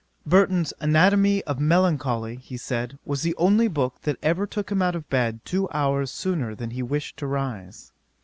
'Burton's Anatomy of Melancholy, he said, was the only book that ever took him out of bed two hours sooner than he wished to rise.